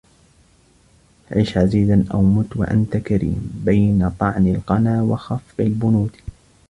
عش عزيزا أو مت وأنت كريم بين طعن القنا وخفق البنود